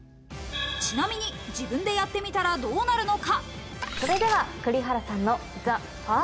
ちなみに自分でやってみたらどうなるのか？